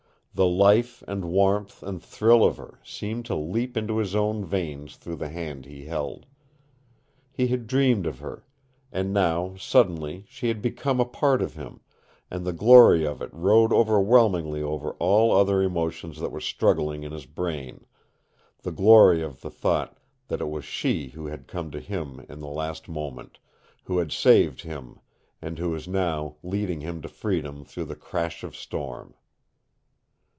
The life and warmth and thrill of her seemed to leap into his own veins through the hand he held. He had dreamed of her. And now suddenly she had become a part of him, and the glory of it rode overwhelmingly over all other emotions that were struggling in his brain the glory of the thought that it was she who had come to him in the last moment, who had saved him, and who was now leading him to freedom through the crash of storm.